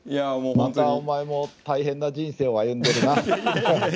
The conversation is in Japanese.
またお前も大変な人生を歩んでるな。